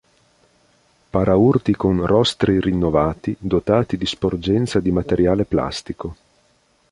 Paraurti con rostri rinnovati dotati di sporgenza di materiale plastico.